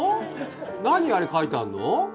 何あれ描いてあるの？